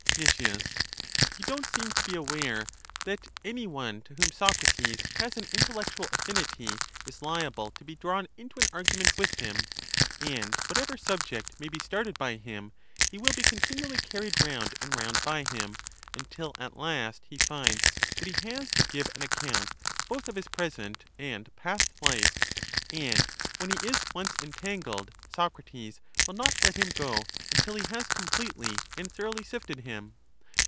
Nic, You don't seem to be aware that any one to whom Socrates has an intellectual affinity is liable to be drawn into an argument with him; and whatever subject may be started by him, he will be continually carried round and round by him, until at last he finds that he has to give an account both of his present and past life; and when he is once entangled, Socrates will not let him go until he has completely and thor oughly sifted him.